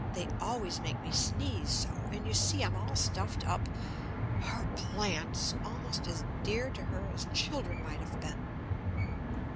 They always make me sneeze so. And you see I'm all stuffed up " Her plants! Almost as dear to her as children might have been!